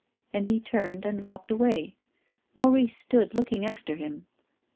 And he turned and walked away. Maurice stood looking after him.